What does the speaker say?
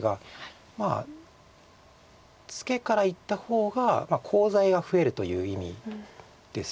まあツケからいった方がコウ材は増えるという意味です